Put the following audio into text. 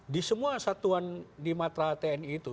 di semua satuan di matra tni itu